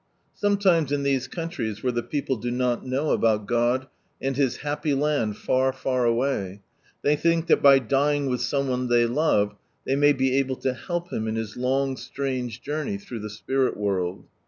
Sometimes in these countries, where the people do not know aboot God and i His " happy land far, far away," they think that by dying with some one they tovi^ they may be able to help him in his long strange journey through the spirit woild.